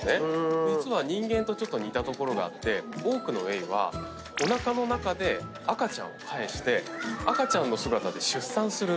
実は人間と似たところがあって多くのエイはおなかの中で赤ちゃんをかえして赤ちゃんの姿で出産する。